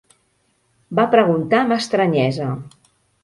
...va preguntar amb estranyesa: